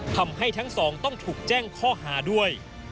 ทำให้ทั้งสองต้องถูกแจ้งข้อหาด้วย